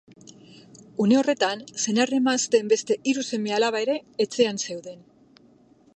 Une horretan, senar-emazteen beste hiru seme-alaba ere etxean zeuden.